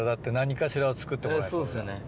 そうですよね。